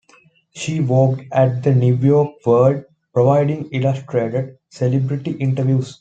She worked at the "New York World", providing illustrated celebrity interviews.